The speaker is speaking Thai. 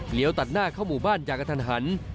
ตัดหน้าเข้าหมู่บ้านอย่างกระทันหัน